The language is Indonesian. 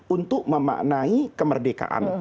untuk memaknai kemerdekaan